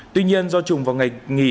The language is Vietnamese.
tuy nhiên do chủng vào ngày nghỉ